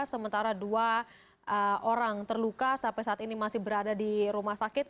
sementara dua orang terluka sampai saat ini masih berada di rumah sakit